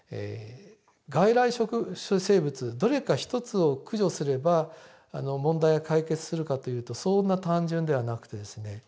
外来生物どれか一つを駆除すれば問題は解決するかというとそんな単純ではなくてですね